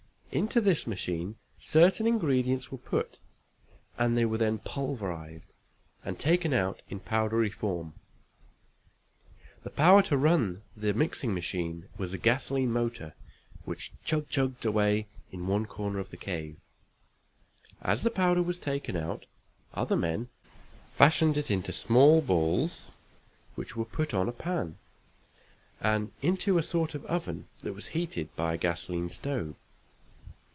Into this machine certain ingredients were put, and they were then pulverized, and taken out in powdery form. The power to run the mixing machine was a gasoline motor, which chug chugged away in one corner of the cave. As the powder was taken out, other men fashioned it into small balls, which were put on pan, and into a sort of oven, that was heated by a gasoline stove.